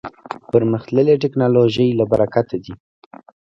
پرمختللې ټکنالوژۍ له برکته دی.